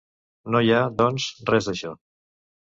No hi ha, doncs, res d'això.